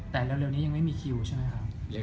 แต่เร็วนี้ยังไม่มีคิวใช่ไหมครับ